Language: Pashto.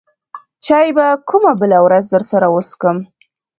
چاى به کومه بله ورځ درسره وڅکم.